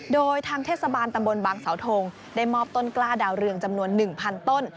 โดยทางเทศบาลตำบลบางสาวทงได้มอบต้นกล้าดาวเรืองจำนวน๑๐๐ต้น